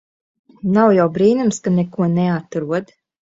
Nav jau brīnums ka neko neatrod.